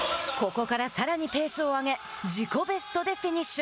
ここからさらにペースを上げ自己ベストでフィニッシュ。